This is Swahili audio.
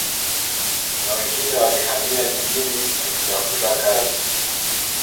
Na wengine walihamia jijini wakitafuta kazi